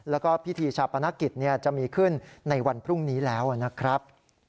แล้วก็พิธีชาปนกิจจะมีขึ้นในวันพรุ่งนี้แล้วนะครับ